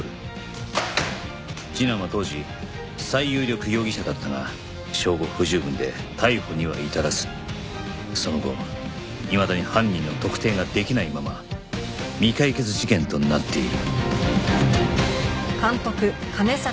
次男は当時最有力容疑者だったが証拠不十分で逮捕には至らずその後いまだに犯人の特定ができないまま未解決事件となっている